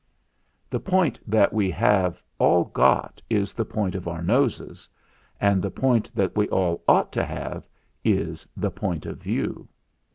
The point that we have all got is the point of our noses; and the point that we all ought to have is the Point of View.